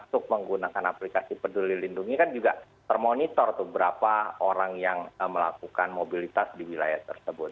untuk menggunakan aplikasi peduli lindungi kan juga termonitor tuh berapa orang yang melakukan mobilitas di wilayah tersebut